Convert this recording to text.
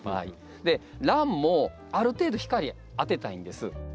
でランもある程度光当てたいんです。